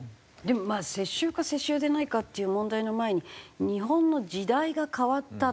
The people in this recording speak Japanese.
でもまあ世襲か世襲でないかっていう問題の前に日本の時代が変わった。